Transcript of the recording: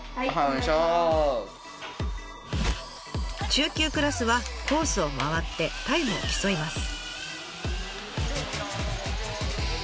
中級クラスはコースを回ってタイムを競います。